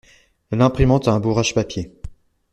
L'imprimante a un bourrage papier.